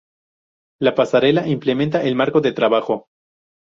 La pasarela implementa el marco de trabajo.